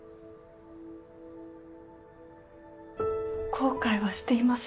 後悔はしていません。